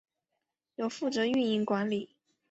由负责运营管理。